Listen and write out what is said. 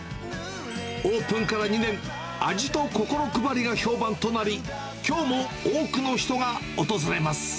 オープンから２年、味と心配りが評判となり、きょうも多くの人が訪れます。